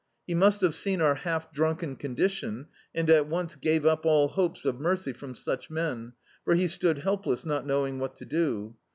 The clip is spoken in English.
He must have seen our half drunken condition and at once gave up all hopes of mercy from such men, for he stood help less, not knowing what to do.